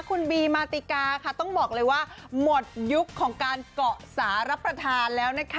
คุณบีมาติกาค่ะต้องบอกเลยว่าหมดยุคของการเกาะสารรับประทานแล้วนะคะ